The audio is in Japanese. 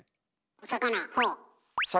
お魚？